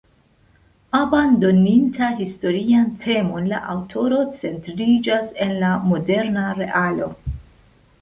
Abandoninta historian temon, la aŭtoro centriĝas en la moderna realo.